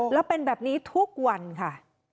แล้วเป็นแบบนี้ทุกวันค่ะ